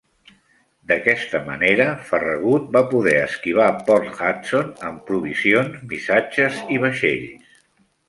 D'aquest manera, Farragut va poder esquivar Port Hudson amb provisions, missatges i vaixells.